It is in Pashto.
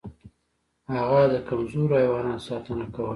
هغه د کمزورو حیواناتو ساتنه کوله.